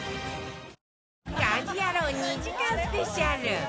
『家事ヤロウ！！！』２時間スペシャル